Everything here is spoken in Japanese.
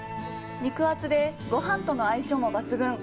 肉厚でごはんとの相性も抜群！